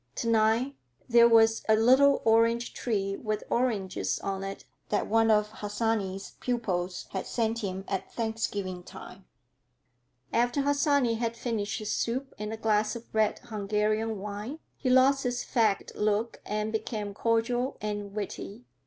To night there was a little orange tree, with oranges on it, that one of Harsanyi's pupils had sent him at Thanksgiving time. After Harsanyi had finished his soup and a glass of red Hungarian wine, he lost his fagged look and became cordial and witty.